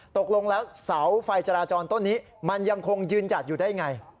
ตกลงแล้วเสาไฟจราจรต้นนี้มันยังคงยืนหยัดอยู่ได้ไง